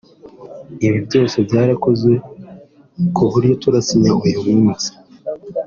ibyo byose byarakozwe ku buryo turasinya uyu munsi